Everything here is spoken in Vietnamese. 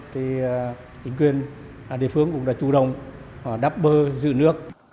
thì chính quyền địa phương cũng đã chủ động đắp bờ giữ nước